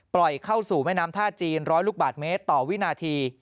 เข้าสู่แม่น้ำท่าจีน๑๐๐ลูกบาทเมตรต่อวินาที